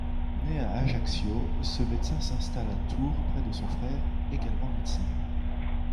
Né à Ajaccio, ce médecin s'installe à Tours près de son frère également médecin.